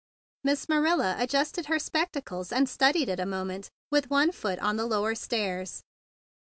Miss Ma¬ rilla adjusted her spectacles, and studied it a moment with one foot on the lower stairs.